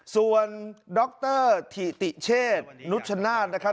ส่วนดรถิติเชษนุชชนาธิ์นะครับ